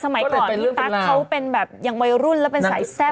สมัยก่อนพี่ตั๊กเขาเป็นแบบยังวัยรุ่นแล้วเป็นสายแซ่บ